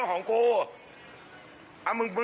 ด้วยความเคารพนะคุณผู้ชมในโลกโซเชียล